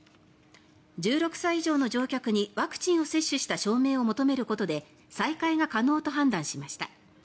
１６歳以上の乗客にワクチンを接種した証明を求めることで再開が可能と判断しました。